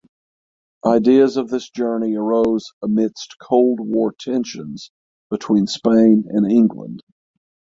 Ideas of this journey arose amidst cold war tensions between Spain and England.